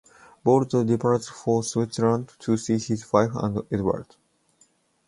Boult departs for Switzerland to see his wife and Edward.